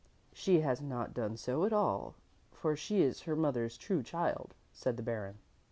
"She has not done so at all, for she is her mother's true child," said the Baron.